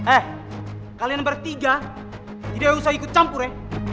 eh kalian bertiga tidak usah ikut campur ya